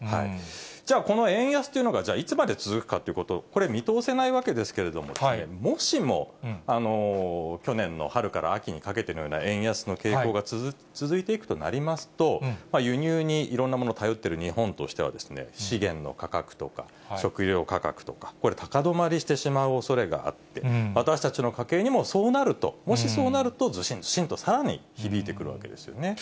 じゃあこの円安というのがいつまで続くかということ、これ、見通せないわけですけれども、もしも去年の春から秋にかけてのような円安の傾向が続いていくとなりますと、輸入にいろんなもの頼っている日本としては、資源の価格とか、食料価格とか、これ、高止まりしてしまうおそれがあって、私たちの家計にも、そうなると、もしそうなるとずしんずしんとさらに響いてくるわけですよね。